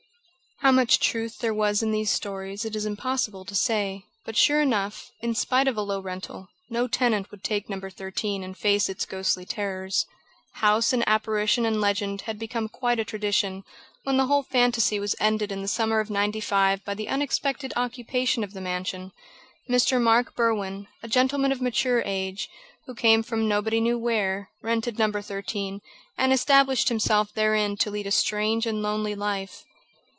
How much truth there was in these stories it is impossible to say; but sure enough, in spite of a low rental, no tenant would take No. 13 and face its ghostly terrors. House and apparition and legend had become quite a tradition, when the whole fantasy was ended in the summer of '95 by the unexpected occupation of the mansion. Mr. Mark Berwin, a gentleman of mature age, who came from nobody knew where, rented No. 13, and established himself therein to lead a strange and lonely life.